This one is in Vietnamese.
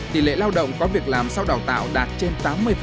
tỷ lệ lao động có việc làm sau đào tạo đạt trên tám mươi